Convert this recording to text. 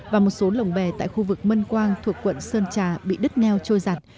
và một số lồng bè tại khu vực mân quang thuộc quận sơn trà bị đất neo trôi giặt